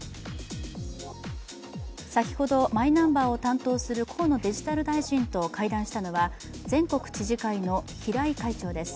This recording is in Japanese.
先ほどマイナンバーを担当する河野デジタル大臣と会談したのは全国知事会の平井会長です。